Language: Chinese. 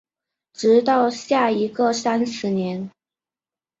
直到下一个三十年